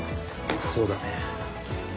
そうだね。